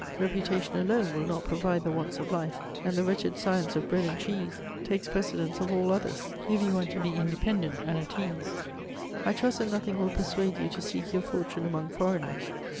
Reputation alone will not provide the wants of life, and the wretched science of 'bread and cheese' takes precedence of all others, if you want to be independent and at ease. I trust that nothing will persuade you to seek your fortune among foreigners.